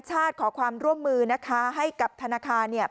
ขอความร่วมมือนะคะให้กับธนาคารเนี่ย